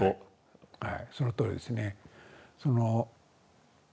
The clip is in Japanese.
はいそのとおりですね。